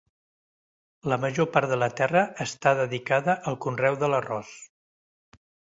La major part de la terra està dedicada al conreu de l'arròs.